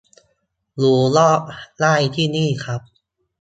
รู้รอบได้ที่นี่ครับ